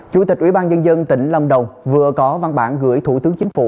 chủ tịch ủy ban nhân dân tỉnh lâm đồng vừa có văn bản gửi thủ tướng chính phủ